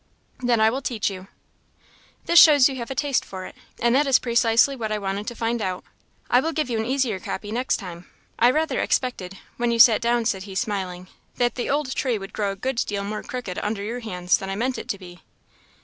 "Then I will teach you. This shows you have a taste for it, and that is precisely what I wanted to find out. I will give you an easier copy next time. I rather expected, when you sat down," said he, smiling a little, "that the old tree would grow a good deal more crooked under your hands than I meant it to be."